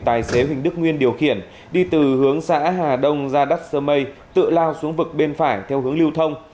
tài xế huỳnh đức nguyên điều khiển đi từ hướng xã hà đông ra đắc sơ mây tự lao xuống vực bên phải theo hướng lưu thông